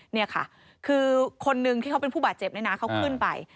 นี่ค่ะคือคนนึงที่เขาเป็นผู้บาดเจ็บเนี่ยนะเขาขึ้นไป